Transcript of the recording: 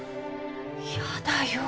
やだよ